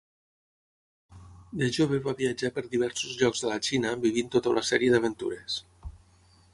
De jove va viatjar per diversos llocs de la Xina vivint tota una sèrie d'aventures.